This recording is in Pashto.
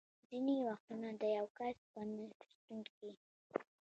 ځینې وختونه د یو کس په نه شتون کې.